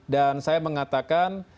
dan saya mengatakan